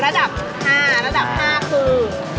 มาดูระดับ๕ระดับ๕คือ